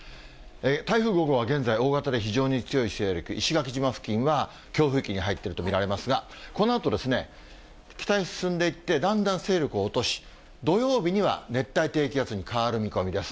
台風５号は現在大型で非常に強い勢力、石垣島付近は強風域に入っていると見られますが、このあと、北へ進んでいって、だんだん勢力を落とし、土曜日には熱帯低気圧に変わる見込みです。